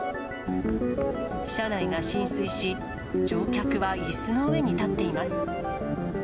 車内が浸水し、乗客はいすの上に立っています。